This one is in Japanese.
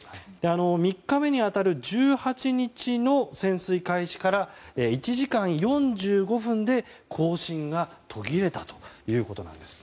３日目に当たる１８日の潜水開始から１時間４５分で交信が途切れたということです。